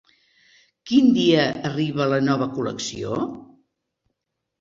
Quin dia arriba la nova col·lecció?